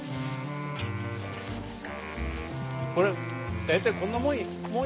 これ大体こんなもんやろかな？